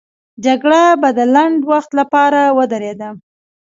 جګړه به د لنډ وخت لپاره ودرېده.